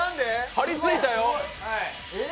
張りついたよ。